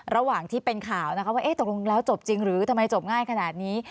ระหว่างที่เป็นข่าวนะคะว่าตกลงแล้วจบจริงหรือทำไมจบง่ายขนาดนี้